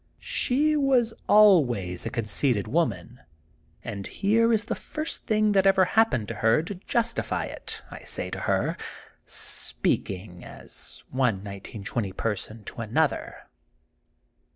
*' She was always a conceited woman, and here is the first thing that ever happened to her to justify it, I say to her, speaking as one 1920 person to another.